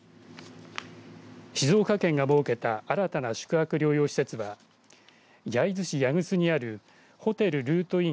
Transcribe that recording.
静岡県が設けた新たな宿泊療養施設は焼津市八楠にあるホテルルートイン